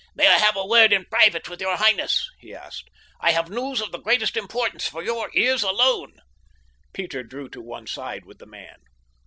"May I have a word in private with your highness?" he asked. "I have news of the greatest importance for your ears alone." Peter drew to one side with the man.